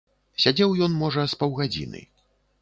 Сядзеў ён, можа, з паўгадзіны.